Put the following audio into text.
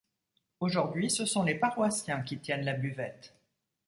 Aujourd’hui, ce sont les paroissiens qui tiennent la buvette.